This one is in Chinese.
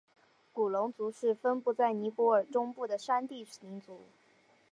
古隆族是分布在尼泊尔中部的山地民族。